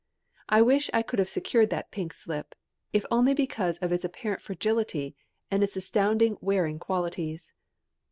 I wish I could have secured that pink slip, if only because of its apparent fragility and its astounding wearing qualities.